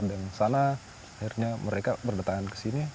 dan sana akhirnya mereka berdetang ke sini